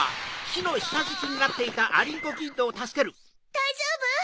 だいじょうぶ？